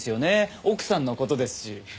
奥さんの事ですし。